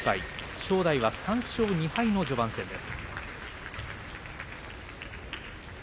正代は３勝２敗の序盤戦です。